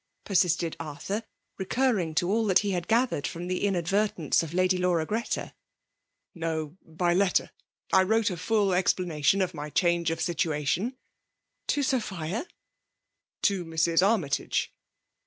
persisted Ar* tbor, recurring to all he had gatliered firom the inadTertenee of Lady Laura Greta. " No, by letter ! I wrote a full ezplana* tion of my change of situation " To Sophia?" To Mrs. Armytage.''